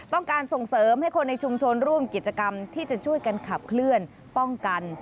ต้องการส่งเสริมให้คนในชุมชนร่วมกิจกรรมที่จะช่วยกันขับเคลื่อนป้องกัน